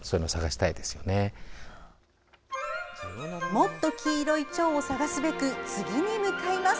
もっと黄色いチョウを探すべく、次に向かいます！